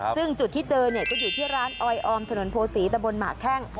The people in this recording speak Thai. ซึ่งจุดที่เจอเนี่ยจะอยู่ที่ร้านออยออมถนนโพศีตะบนหมากแข้ง